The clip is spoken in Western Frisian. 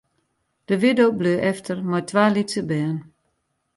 De widdo bleau efter mei twa lytse bern.